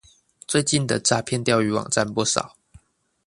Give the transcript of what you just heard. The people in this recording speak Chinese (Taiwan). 最近的詐騙釣魚網站不少